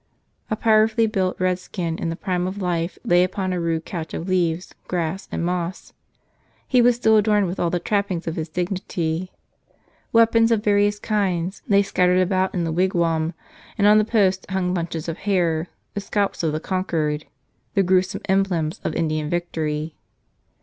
A powerfully built red skin in the prime of life lay upon a rude couch of leaves, grass, and moss. He was still adorned with all the trappings of his digni¬ ty. Weapons of various kinds lay scattered about in the wigwam; and on the posts hung bunches of hair, the scalps of the conquered, the grewsome emblems of Indian victory.